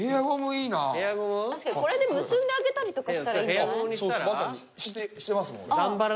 確かにこれで結んであげたりとかしたらいいんじゃない？